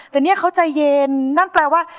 แต่เนี่ยเขาใจเย็นนั่นแปลว่า